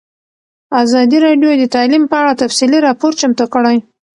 ازادي راډیو د تعلیم په اړه تفصیلي راپور چمتو کړی.